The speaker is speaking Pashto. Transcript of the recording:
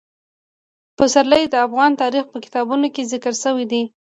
پسرلی د افغان تاریخ په کتابونو کې ذکر شوی دي.